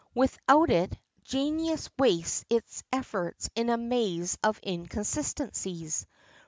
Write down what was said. Without it, genius wastes its efforts in a maze of inconsistencies.